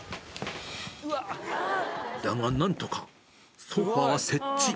だが、なんとかソファ設置。